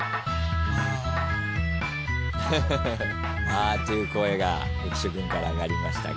「あ」という声が浮所君から上がりましたが。